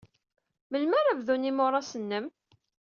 Melmi ara bdun yimuras-nnem?